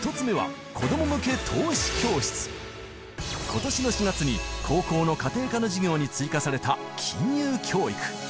今年の４月に高校の家庭科の授業に追加された金融教育